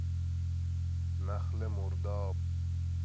نخل مرداب